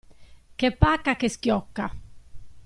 Che pacca che schiocca!